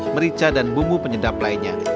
merica dan bumbu penyedap lainnya